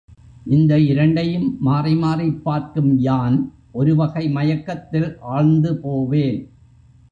இந்த இரண்டையும் மாறி மாறிப் பார்க்கும் யான் ஒருவகை மயக்கத்தில் ஆழ்ந்து போவேன்.